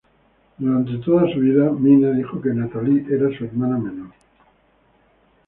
Durante toda su vida, Minna dijo que Natalie era su hermana menor.